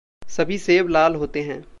सभी सेब लाल होते हैं।